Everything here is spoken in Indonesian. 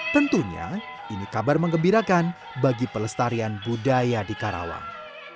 tentunya ini kabar mengembirakan bagi pelestarian budaya di karawang